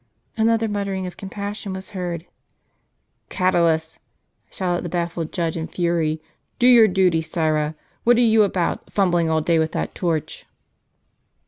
Another muttering of compassion was heard. "Catulus!" shouted the baffled judge in fury; "do your duty, sirrah ! what are you about, fumbling all day with that torch